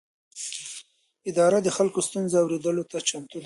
اداره د خلکو د ستونزو اورېدلو ته چمتو ده.